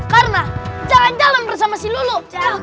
karena jalan jalan bersama si lulu